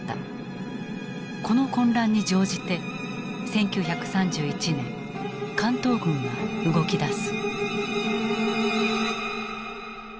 この混乱に乗じて１９３１年関東軍が動きだす。